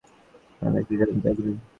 আপনারা কি জানতে আগ্রহী?